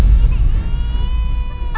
anak anak gak perlu melihat ini semua